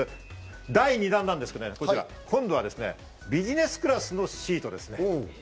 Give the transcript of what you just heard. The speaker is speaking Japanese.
第２弾なんですけど、今度はですね、ビジネスクラスのシートです。